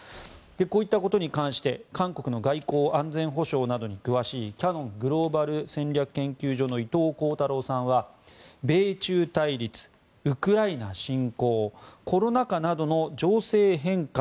こういったことに関して韓国の外交・安全保障などに詳しいキヤノングローバル戦略研究所の伊藤弘太郎さんは米中対立、ウクライナ侵攻コロナ禍などの情勢変化